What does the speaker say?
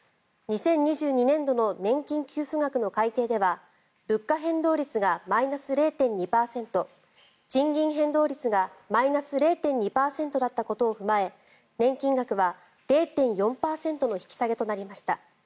２０２２年度の年金給付額の改定では物価変動率がマイナス０．２％賃金変動率がマイナス０．２％だったことを踏まえ年金額は０．４％の引き下げとなりました。